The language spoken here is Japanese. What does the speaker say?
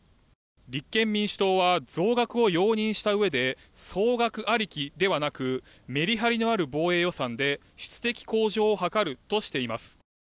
立憲民主党は増額を容認したうえで総額ありきではなくメリハリのある防衛予算で質的向上を図るとしています。